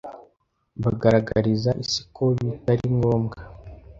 bagaragariza Isi ko bitari ngombwa